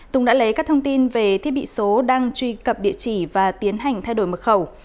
tùng đã lấy các thông tin về thiết bị số đang truy cập địa chỉ và tiến hành thay đổi mật khẩu